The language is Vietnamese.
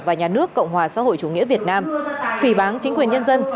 và nhà nước cộng hòa xã hội chủ nghĩa việt nam phì bán chính quyền nhân dân